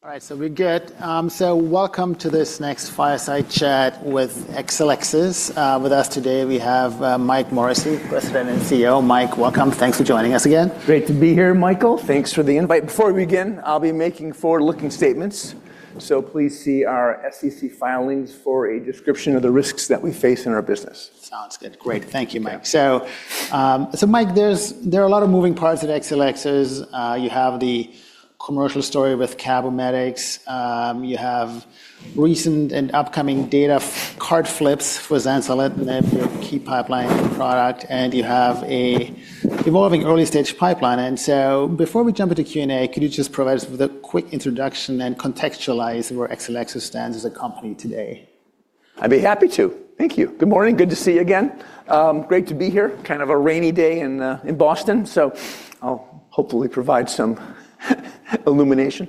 Loaded here. All right. All right. So we're good. Welcome to this next fireside chat with Exelixis. With us today, we have Mike Morrissey, President and CEO. Mike, welcome. Thanks for joining us again. Great to be here, Michael. Thanks for the invite. Before we begin, I'll be making forward-looking statements. Please see our SEC filings for a description of the risks that we face in our business. Sounds good. Great. Thank you, Mike. Mike, there are a lot of moving parts at Exelixis. You have the commercial story with Cabometyx. You have recent and upcoming data card flips for Zanzalintinib, the key pipeline product. You have an evolving early-stage pipeline. Before we jump into Q&A, could you just provide us with a quick introduction and contextualize where Exelixis stands as a company today? I'd be happy to. Thank you. Good morning. Good to see you again. Great to be here. Kind of a rainy day in Boston. I’ll hopefully provide some illumination.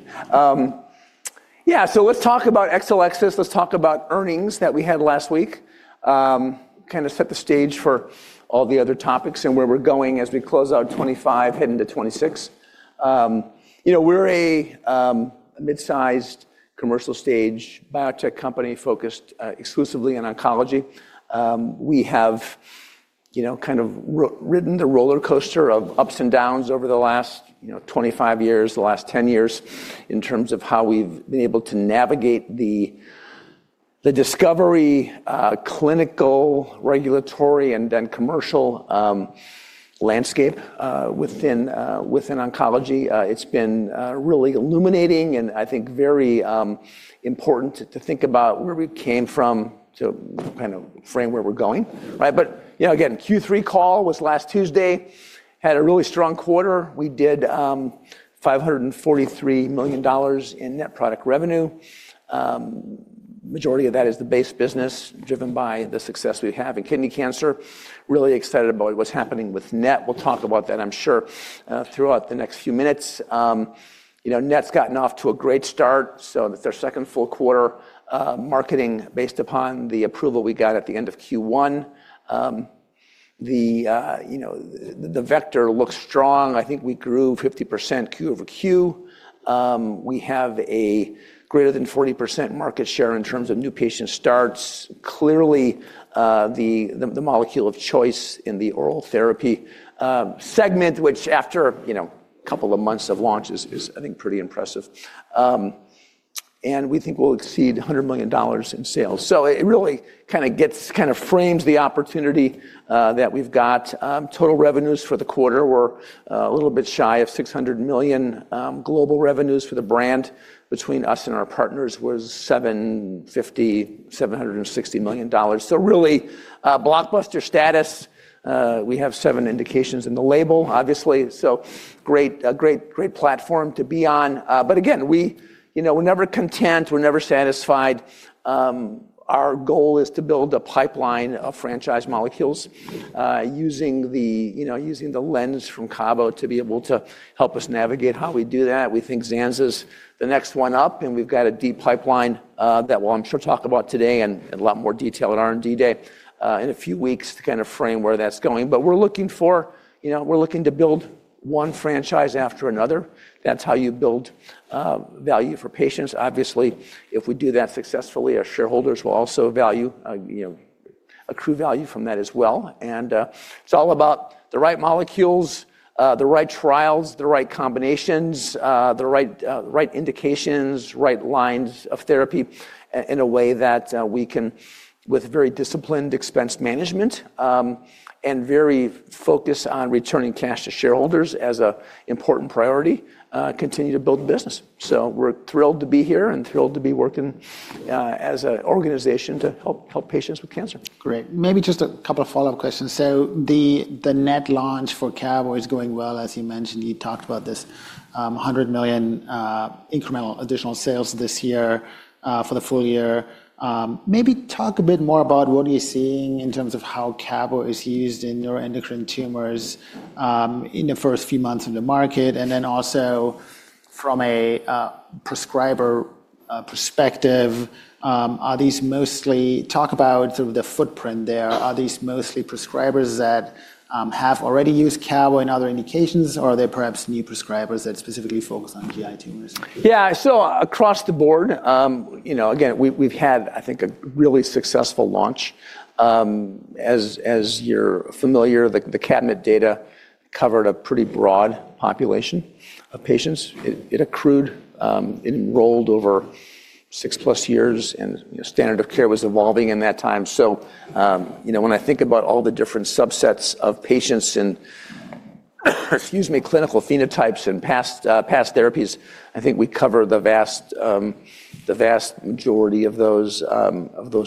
Yeah. Let's talk about Exelixis. Let's talk about earnings that we had last week, kind of set the stage for all the other topics and where we're going as we close out 2025, heading to 2026. We're a midsized commercial-stage biotech company focused exclusively on oncology. We have kind of ridden the roller coaster of ups and downs over the last 25 years, the last 10 years, in terms of how we've been able to navigate the discovery, clinical, regulatory, and then commercial landscape within oncology. It's been really illuminating and I think very important to think about where we came from to kind of frame where we're going. Again, Q3 call was last Tuesday, had a really strong quarter. We did $543 million in net product revenue. Majority of that is the base business driven by the success we have in kidney cancer. Really excited about what's happening with net. We'll talk about that, I'm sure, throughout the next few minutes. Net's gotten off to a great start. It's our second full quarter marketing based upon the approval we got at the end of Q1. The vector looks strong. I think we grew 50% Q-o-Q. We have a greater than 40% market share in terms of new patient starts. Clearly, the molecule of choice in the oral therapy segment, which after a couple of months of launch is, I think, pretty impressive. We think we'll exceed $100 million in sales. It really kind of frames the opportunity that we've got. Total revenues for the quarter were a little bit shy of $600 million. Global revenues for the brand between us and our partners was $760 million. Really blockbuster status. We have seven indications in the label, obviously. Great platform to be on. Again, we're never content. We're never satisfied. Our goal is to build a pipeline of franchise molecules using the lens from Cabo to be able to help us navigate how we do that. We think Zanz is the next one up. We've got a deep pipeline that we'll, I'm sure, talk about today and a lot more detail at R&D day in a few weeks to kind of frame where that's going. We're looking to build one franchise after another. That's how you build value for patients. Obviously, if we do that successfully, our shareholders will also accrue value from that as well. It is all about the right molecules, the right trials, the right combinations, the right indications, right lines of therapy in a way that we can, with very disciplined expense management and very focus on returning cash to shareholders as an important priority, continue to build the business. We are thrilled to be here and thrilled to be working as an organization to help patients with cancer. Great. Maybe just a couple of follow-up questions. The NET launch for Cabo is going well, as you mentioned. You talked about this $100 million incremental additional sales this year for the full year. Maybe talk a bit more about what are you seeing in terms of how Cabo is used in neuroendocrine tumors in the first few months of the market. Also, from a prescriber perspective, talk about sort of the footprint there. Are these mostly prescribers that have already used Cabo in other indications, or are there perhaps new prescribers that specifically focus on GI tumors? Yeah. Across the board, again, we've had, I think, a really successful launch. As you're familiar, the CABINET data covered a pretty broad population of patients. It accrued, it enrolled over six-plus years, and standard of care was evolving in that time. When I think about all the different subsets of patients and, excuse me, clinical phenotypes and past therapies, I think we cover the vast majority of those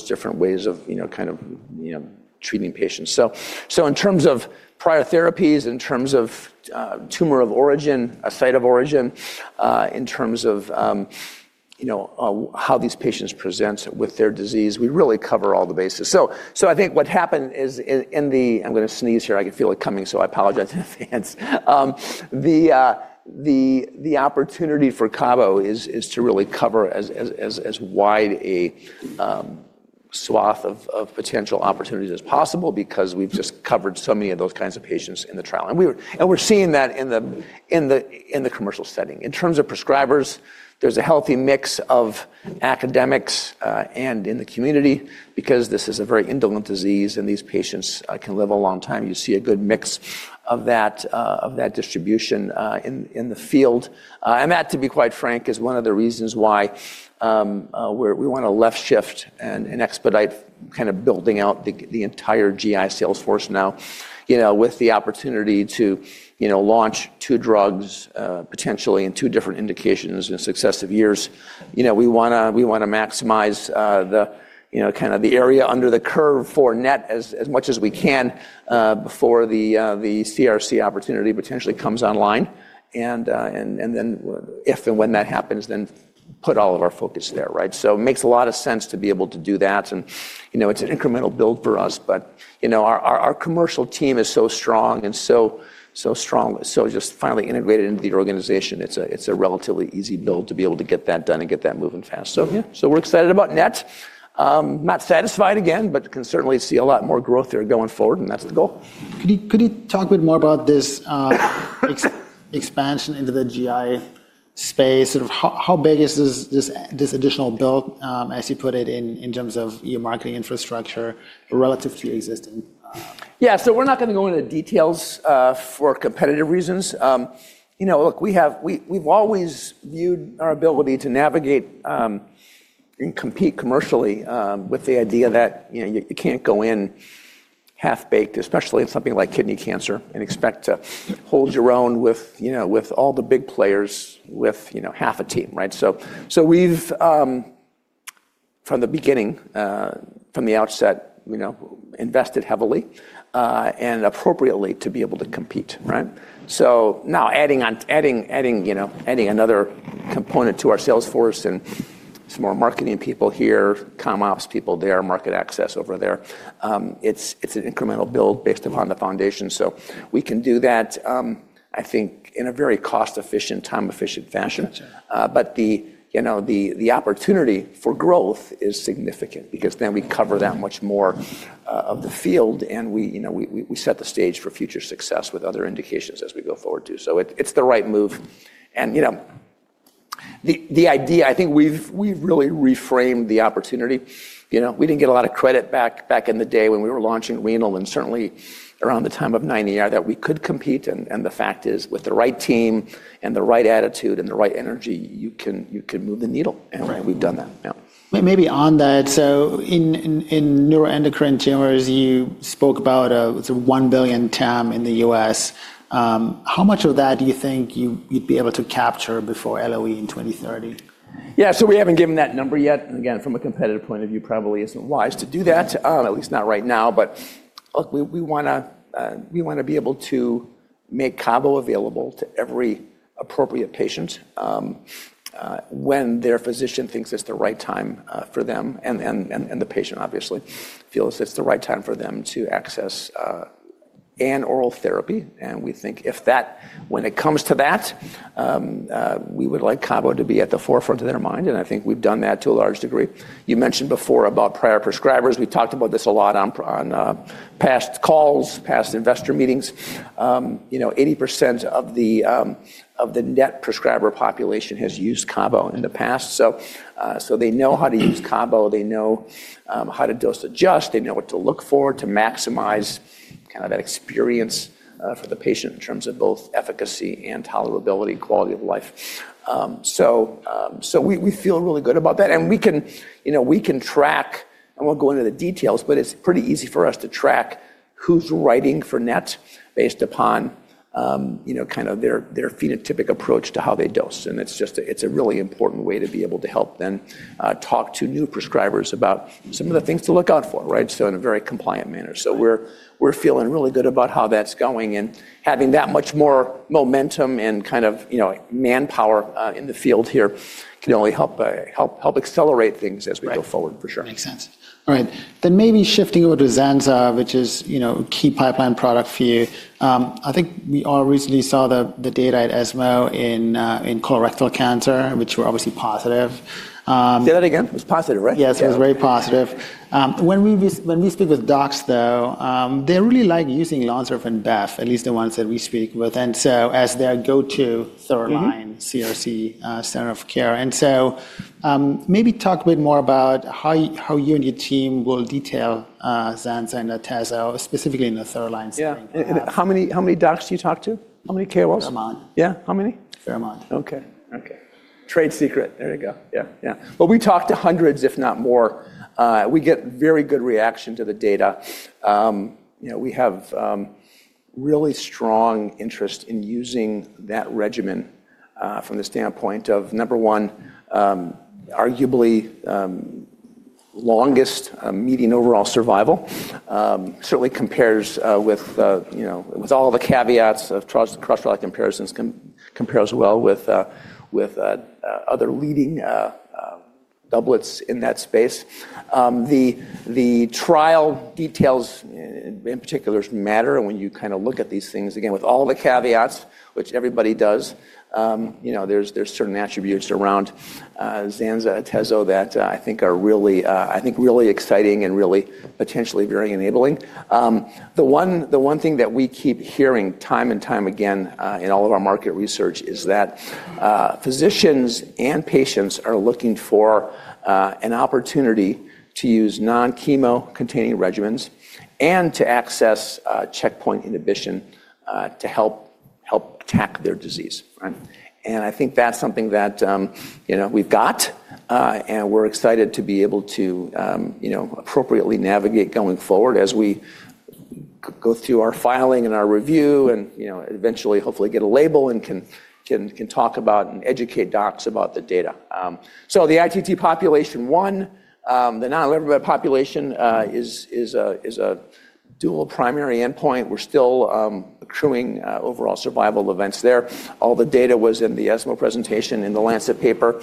different ways of kind of treating patients. In terms of prior therapies, in terms of tumor of origin, site of origin, in terms of how these patients present with their disease, we really cover all the bases. I think what happened is in the I'm going to sneeze here. I could feel it coming, so I apologize in advance. The opportunity for Cabo is to really cover as wide a swath of potential opportunities as possible because we've just covered so many of those kinds of patients in the trial. We are seeing that in the commercial setting. In terms of prescribers, there's a healthy mix of academics and in the community because this is a very indolent disease and these patients can live a long time. You see a good mix of that distribution in the field. That, to be quite frank, is one of the reasons why we want to left-shift and expedite kind of building out the entire GI salesforce now with the opportunity to launch two drugs potentially in two different indications in successive years. We want to maximize kind of the area under the curve for NET as much as we can before the CRC opportunity potentially comes online. If and when that happens, then put all of our focus there. It makes a lot of sense to be able to do that. It's an incremental build for us. Our commercial team is so strong and just finally integrated into the organization, it's a relatively easy build to be able to get that done and get that moving fast. We're excited about NET. Not satisfied again, but can certainly see a lot more growth there going forward, and that's the goal. Could you talk a bit more about this expansion into the GI space? How big is this additional build, as you put it, in terms of your marketing infrastructure relative to existing? Yeah. So we're not going to go into details for competitive reasons. Look, we've always viewed our ability to navigate and compete commercially with the idea that you can't go in half-baked, especially in something like kidney cancer, and expect to hold your own with all the big players with half a team. So we've, from the beginning, from the outset, invested heavily and appropriately to be able to compete. Now adding another component to our salesforce and some more marketing people here, Commonwealth people there, market access over there, it's an incremental build based upon the foundation. We can do that, I think, in a very cost-efficient, time-efficient fashion. The opportunity for growth is significant because then we cover that much more of the field and we set the stage for future success with other indications as we go forward too. It's the right move. The idea, I think we've really reframed the opportunity. We didn't get a lot of credit back in the day when we were launching renal and certainly around the time of 90R that we could compete. The fact is, with the right team and the right attitude and the right energy, you can move the needle. We've done that. Maybe on that. In neuroendocrine tumors, you spoke about a $1 billion TAM in the U.S. How much of that do you think you'd be able to capture before LOE in 2030? Yeah. We haven't given that number yet. Again, from a competitive point of view, probably isn't wise to do that, at least not right now. Look, we want to be able to make Cabo available to every appropriate patient when their physician thinks it's the right time for them. The patient, obviously, feels it's the right time for them to access an oral therapy. We think if that, when it comes to that, we would like Cabo to be at the forefront of their mind. I think we've done that to a large degree. You mentioned before about prior prescribers. We talked about this a lot on past calls, past investor meetings. 80% of the net prescriber population has used Cabo in the past. They know how to use Cabo. They know how to dose adjust. They know what to look for to maximize kind of that experience for the patient in terms of both efficacy and tolerability, quality of life. We feel really good about that. We can track, and we'll go into the details, but it's pretty easy for us to track who's writing for NET based upon kind of their phenotypic approach to how they dose. It's a really important way to be able to help them talk to new prescribers about some of the things to look out for, in a very compliant manner. We're feeling really good about how that's going. Having that much more momentum and kind of manpower in the field here can only help accelerate things as we go forward, for sure. Makes sense. All right. Maybe shifting over to Zanza, which is a key pipeline product for you. I think we all recently saw the data at ESMO in colorectal cancer, which were obviously positive. Say that again. It was positive, right? Yes. It was very positive. When we speak with docs, though, they really like using Lonsurf and Bev, at least the ones that we speak with, as their go-to third-line CRC center of care. Maybe talk a bit more about how you and your team will detail Zanza and Atezo, specifically in the third-line setting. How many docs do you talk to? How many care wells? Fair amount. Yeah. How many? Fair amount. Okay. Okay. Trade secret. There you go. Yeah. Yeah. We talk to hundreds, if not more. We get very good reaction to the data. We have really strong interest in using that regimen from the standpoint of, number one, arguably longest median overall survival. Certainly compares with all the caveats of cross-related comparisons, compares well with other leading doublets in that space. The trial details in particular matter when you kind of look at these things. Again, with all the caveats, which everybody does, there are certain attributes around Zanza and Atezo that I think are really exciting and really potentially very enabling. The one thing that we keep hearing time and time again in all of our market research is that physicians and patients are looking for an opportunity to use non-chemo-containing regimens and to access checkpoint inhibition to help attack their disease. I think that's something that we've got. We're excited to be able to appropriately navigate going forward as we go through our filing and our review and eventually, hopefully, get a label and can talk about and educate docs about the data. The ITT population won. The non-elevator population is a dual primary endpoint. We're still accruing overall survival events there. All the data was in the ESMO presentation in the Lancet paper.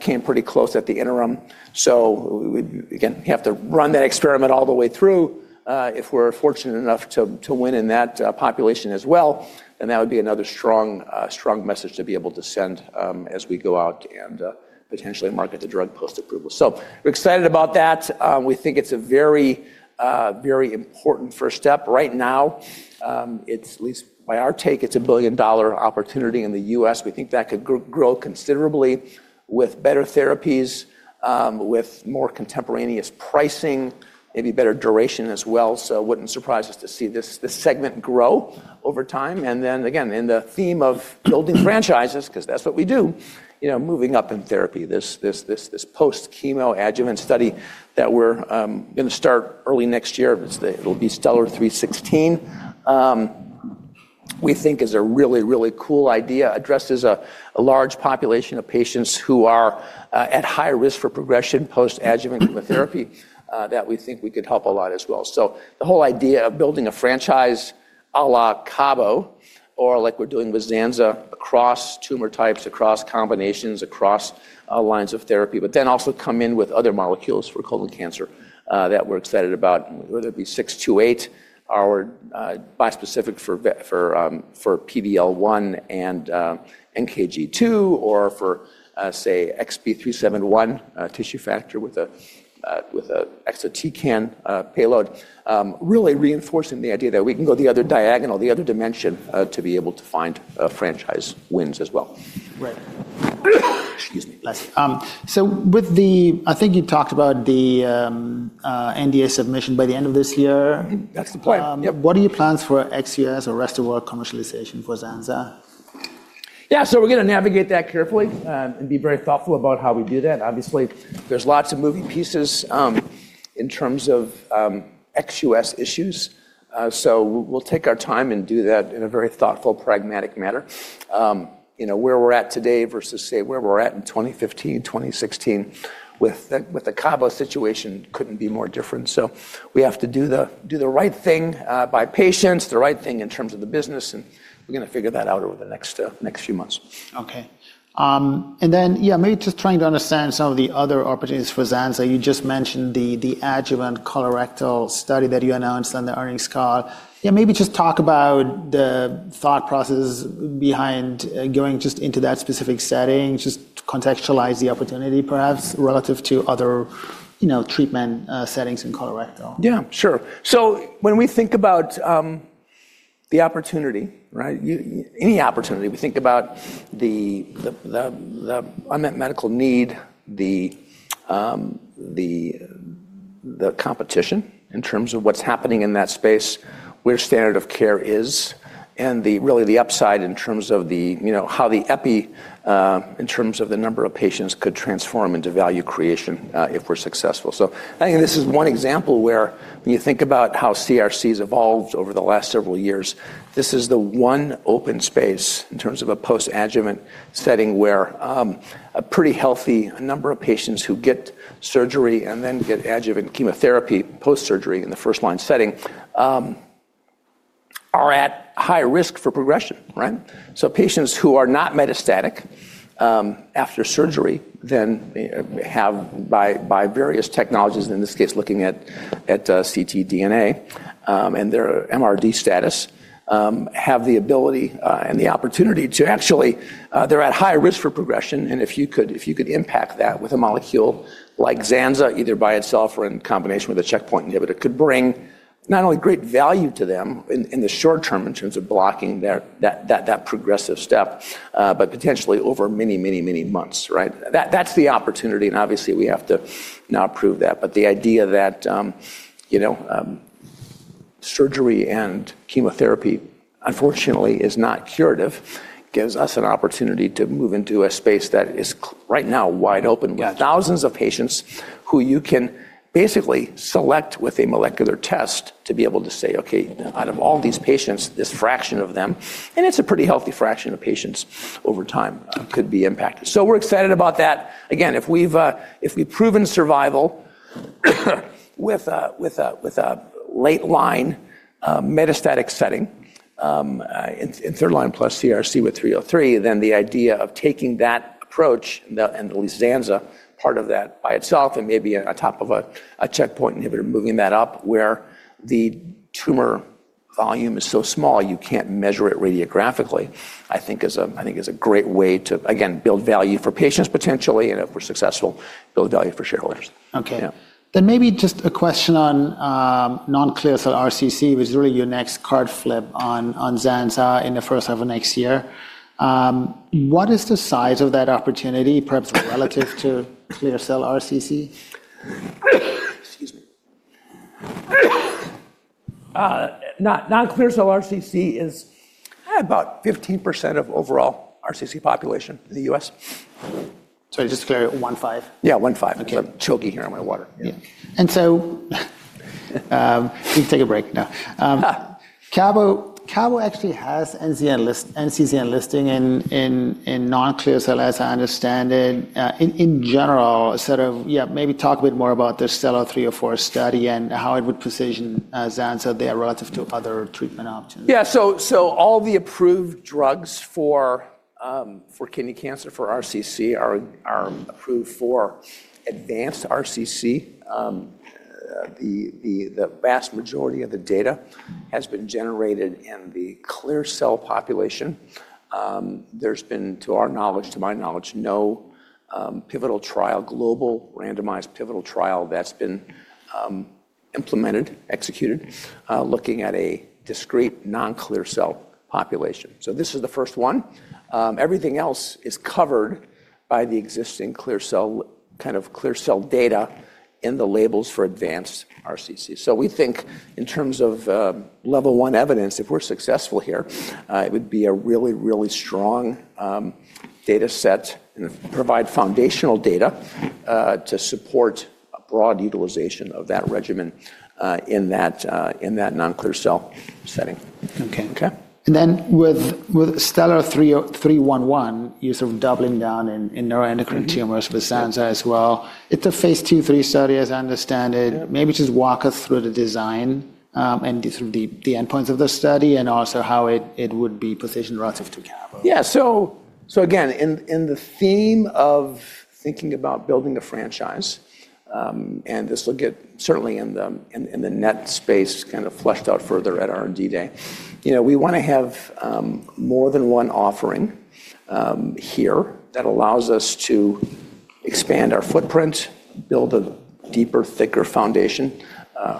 Came pretty close at the interim. We have to run that experiment all the way through if we're fortunate enough to win in that population as well. That would be another strong message to be able to send as we go out and potentially market the drug post-approval. We're excited about that. We think it's a very important first step. Right now, at least by our take, it's a $1 billion opportunity in the US. We think that could grow considerably with better therapies, with more contemporaneous pricing, maybe better duration as well. It wouldn't surprise us to see this segment grow over time. In the theme of building franchises, because that's what we do, moving up in therapy, this post-chemo adjuvant study that we're going to start early next year. It'll be STELLAR-316. We think is a really, really cool idea, addresses a large population of patients who are at high risk for progression post-adjuvant chemotherapy that we think we could help a lot as well. The whole idea of building a franchise à la Cabo, or like we're doing with Zanza, across tumor types, across combinations, across lines of therapy, but then also come in with other molecules for colon cancer that we're excited about, whether it be 628 or bispecific for PD-L1 and NKG2, or for, say, XB371 tissue factor with an exotican payload, really reinforcing the idea that we can go the other diagonal, the other dimension to be able to find franchise wins as well. Right. Excuse me. I think you talked about the NDA submission by the end of this year. That's the plan. What are your plans for ex-U.S. or rest of the world commercialization for Zanza? Yeah. We're going to navigate that carefully and be very thoughtful about how we do that. Obviously, there's lots of moving pieces in terms of ex-U.S. issues. We'll take our time and do that in a very thoughtful, pragmatic manner. Where we're at today versus, say, where we were at in 2015, 2016 with the Cabo situation could not be more different. We have to do the right thing by patients, the right thing in terms of the business. We're going to figure that out over the next few months. Okay. And then, yeah, maybe just trying to understand some of the other opportunities for Zanza. You just mentioned the adjuvant colorectal study that you announced on the earnings call. Yeah, maybe just talk about the thought processes behind going just into that specific setting, just contextualize the opportunity perhaps relative to other treatment settings in colorectal. Yeah, sure. When we think about the opportunity, any opportunity, we think about the unmet medical need, the competition in terms of what's happening in that space, where standard of care is, and really the upside in terms of how the EPI, in terms of the number of patients, could transform into value creation if we're successful. I think this is one example where when you think about how CRC has evolved over the last several years, this is the one open space in terms of a post-adjuvant setting where a pretty healthy number of patients who get surgery and then get adjuvant chemotherapy post-surgery in the first-line setting are at high risk for progression. Patients who are not metastatic after surgery then have, by various technologies, in this case, looking at CT DNA and their MRD status, have the ability and the opportunity to actually they're at high risk for progression. If you could impact that with a molecule like Zanza, either by itself or in combination with a checkpoint inhibitor, could bring not only great value to them in the short term in terms of blocking that progressive step, but potentially over many, many, many months. That's the opportunity. Obviously, we have to now prove that. The idea that surgery and chemotherapy, unfortunately, is not curative gives us an opportunity to move into a space that is right now wide open with thousands of patients who you can basically select with a molecular test to be able to say, "Okay, out of all these patients, this fraction of them," and it's a pretty healthy fraction of patients over time could be impacted. We are excited about that. Again, if we've proven survival with a late-line metastatic setting in third-line plus CRC with 303, then the idea of taking that approach and at least Zanza part of that by itself and maybe on top of a checkpoint inhibitor, moving that up where the tumor volume is so small you can't measure it radiographically, I think is a great way to, again, build value for patients potentially. If we're successful, build value for shareholders. Okay. Then maybe just a question on non-clear-cell RCC, which is really your next card flip on Zanza in the first half of next year. What is the size of that opportunity, perhaps relative to clear-cell RCC? Non-clear-cell RCC is about 15%-20% of overall RCC population in the U.S. Sorry, just to clarify, one-fifth? Yeah, 1/5. Okay. Choking here on my water. We can take a break now. Cabo actually has NCCN listing in non-clear-cell, as I understand it, in general. Yeah, maybe talk a bit more about the STELLAR-304 study and how it would position Zanza there relative to other treatment options. Yeah. All the approved drugs for kidney cancer for RCC are approved for advanced RCC. The vast majority of the data has been generated in the clear-cell population. There has been, to our knowledge, to my knowledge, no pivotal trial, global randomized pivotal trial that has been implemented, executed, looking at a discrete non-clear-cell population. This is the first one. Everything else is covered by the existing kind of clear-cell data in the labels for advanced RCC. We think in terms of level one evidence, if we're successful here, it would be a really, really strong data set and provide foundational data to support a broad utilization of that regimen in that non-clear-cell setting. Okay. And then with STELLAR-311, you're sort of doubling down in neuroendocrine tumors with Zanza as well. It's a phase II, three study, as I understand it. Maybe just walk us through the design and the endpoints of the study and also how it would be positioned relative to Cabo. Yeah. Again, in the theme of thinking about building a franchise, and this will get certainly in the net space kind of fleshed out further at R&D day, we want to have more than one offering here that allows us to expand our footprint, build a deeper, thicker foundation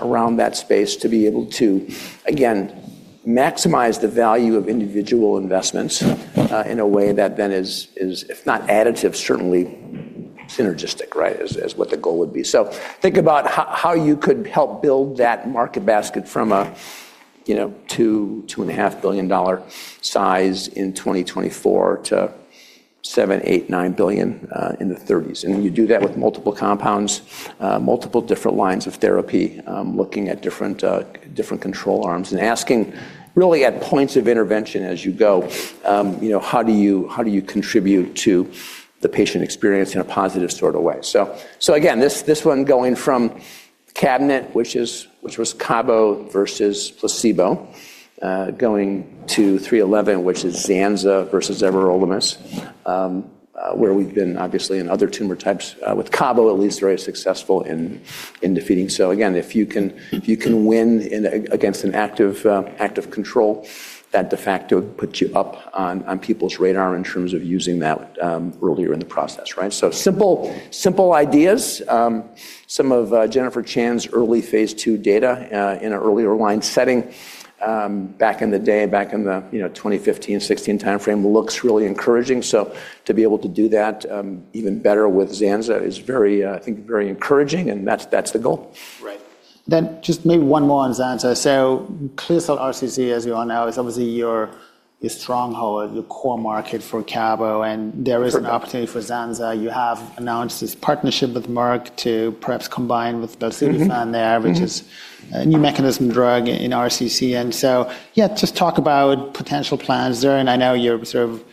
around that space to be able to, again, maximize the value of individual investments in a way that then is, if not additive, certainly synergistic, as what the goal would be. Think about how you could help build that market basket from a $2.5 billion size in 2024 to $7 billion, $8 billion, $9 billion in the 2030s. You do that with multiple compounds, multiple different lines of therapy, looking at different control arms and asking really at points of intervention as you go, how do you contribute to the patient experience in a positive sort of way? Again, this one going from CABINET, which was Cabo versus placebo, going to 311, which is Zanza versus everolimus, where we've been obviously in other tumor types with Cabo, at least very successful in defeating. If you can win against an active control, that de facto puts you up on people's radar in terms of using that earlier in the process. Simple ideas. Some of Jennifer Chan's early phase two data in an earlier line setting back in the day, back in the 2015-2016 timeframe, looks really encouraging. To be able to do that even better with Zanza is, I think, very encouraging. That's the goal. Right. Just maybe one more on Zanza. Clear-cell RCC, as you know, is obviously your stronghold, your core market for Cabo. There is an opportunity for Zanza. You have announced this partnership with Merck to perhaps combine with Belzutifan there, which is a new mechanism drug in RCC. Yeah, just talk about potential plans there. I know you're sort of,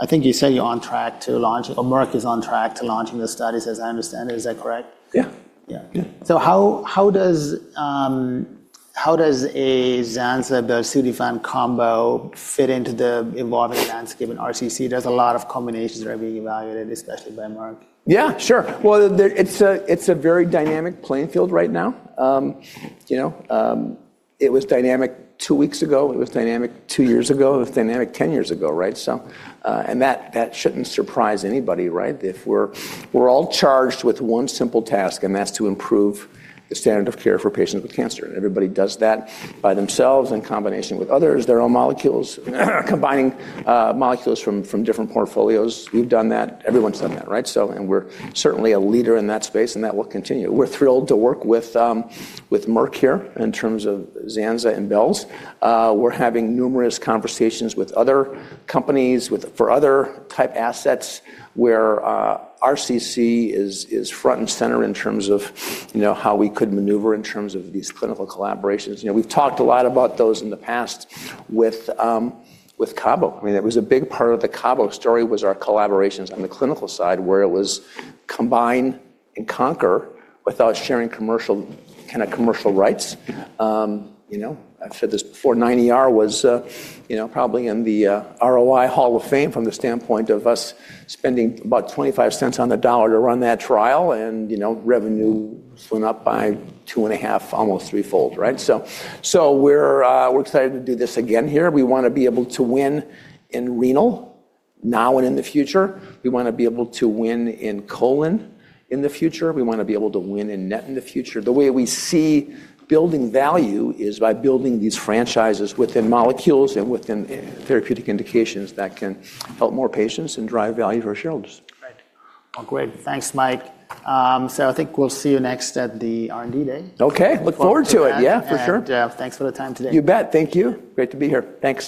I think you said you're on track to launch, or Merck is on track to launching the studies, as I understand it. Is that correct? Yeah. Yeah. So how does a Zanza-Belzutifan combo fit into the evolving landscape in RCC? There's a lot of combinations that are being evaluated, especially by Merck. Yeah, sure. It is a very dynamic playing field right now. It was dynamic two weeks ago. It was dynamic two years ago. It was dynamic 10 years ago. That should not surprise anybody. If we are all charged with one simple task, and that is to improve the standard of care for patients with cancer, and everybody does that by themselves in combination with others, their own molecules, combining molecules from different portfolios, we have done that. Everyone has done that. We are certainly a leader in that space, and that will continue. We are thrilled to work with Merck here in terms of Zanza and Bells. We are having numerous conversations with other companies for other type assets where RCC is front and center in terms of how we could maneuver in terms of these clinical collaborations. We have talked a lot about those in the past with Cabo. I mean, it was a big part of the Cabo story was our collaborations on the clinical side where it was combine and conquer without sharing kind of commercial rights. I've said this before, 9ER was probably in the ROI Hall of Fame from the standpoint of us spending about 25 cents on the dollar to run that trial, and revenue swung up by two and a half, almost threefold. We are excited to do this again here. We want to be able to win in renal now and in the future. We want to be able to win in colon in the future. We want to be able to win in NET in the future. The way we see building value is by building these franchises within molecules and within therapeutic indications that can help more patients and drive value for shareholders. Right. Great. Thanks, Mike. I think we'll see you next at the R&D day. Okay. Look forward to it. Yeah, for sure. Thanks for the time today. You bet. Thank you. Great to be here. Thanks.